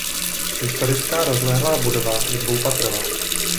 Historická rozlehlá budova je dvoupatrová.